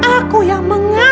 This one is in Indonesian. aku yang mengikuti